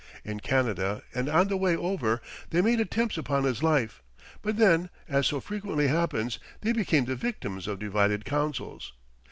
In Canada and on the way over they made attempts upon his life; but then, as so frequently happens, they became the victims of divided councils.